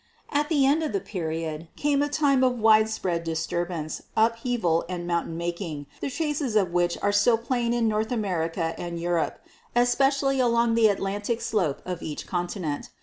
"At the end of the period came a time of widespread dis turbance, upheaval and mountain making, the traces of which are still plain in North America and Europe, espe cially along the Atlantic slope of each continent.